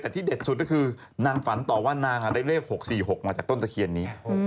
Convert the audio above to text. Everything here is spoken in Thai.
แต่ที่เด็ดสุดก็คือนางฝันต่อว่านางได้เลข๖๔๖มาจากต้นตะเคียนนี้